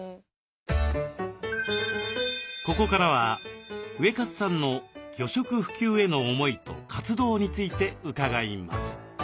ここからはウエカツさんの魚食普及への思いと活動について伺います。